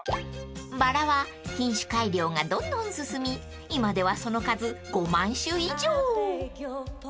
［バラは品種改良がどんどん進み今ではその数５万種以上］